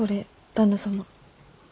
旦那様。